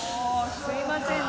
すいませんね